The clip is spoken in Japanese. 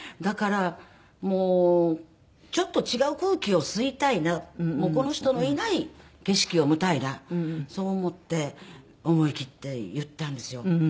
だからもうちょっと違う空気を吸いたいなこの人のいない景色を見たいなそう思って思い切って言ったんですよ。